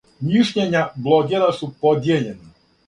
Мишљења блогера су подијељена.